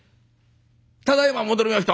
「ただいま戻りました」。